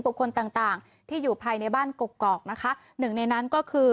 ถึงบุคคลต่างที่อยู่ภายในบ้านกกนะค่ะหนึ่งในนั้นก็คือ